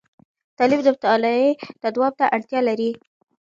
تعلیم د مطالعې تداوم ته اړتیا لري.